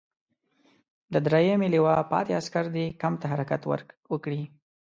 د دریمې لواء پاتې عسکر دې کمپ ته حرکت وکړي.